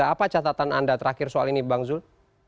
apa catatan anda terakhir soal ini bang zul